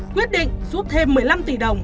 quyết định giúp thêm một mươi năm tỷ đồng